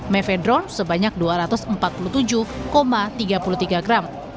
mevedron sebanyak dua ratus empat puluh tujuh tiga puluh tiga gram